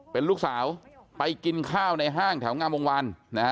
เป็นลูกสาวไปกินข้าวในห้างแถวงามวงวัน